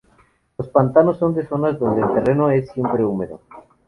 Los pantanos son zonas donde el terreno es siempre húmedo.